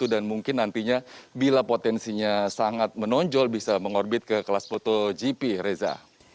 dan mungkin nantinya bila potensinya sangat menonjol bisa mengorbit ke kelas motogp reza